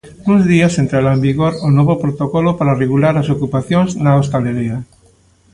Nuns días entrará en vigor o novo protocolo para regular as ocupacións na hostalería.